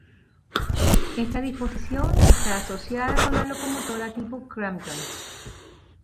Esta disposición está asociada con la locomotora tipo Crampton.